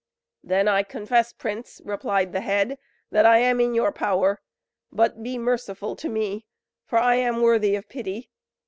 "Then I confess, prince," replied the head; "that I am in your power; but be merciful to me, for I am worthy of pity.